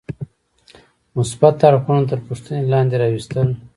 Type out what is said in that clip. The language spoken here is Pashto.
مثبت اړخونه تر پوښتنې لاندې راوستل.